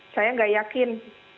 saya tidak yakin